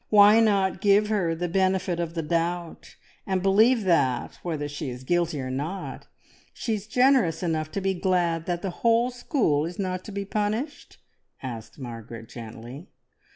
Why not give her the benefit of the doubt, and believe that, whether she is guilty or not, she is generous enough to be glad that the whole school is not to be punished?" asked Margaret gently.